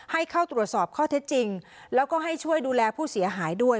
ให้เข้าตรวจสอบข้อเท็จจริงแล้วก็ให้ช่วยดูแลผู้เสียหายด้วย